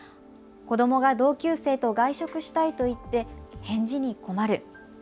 子どもが同級生と外食したいと言って返事に困る。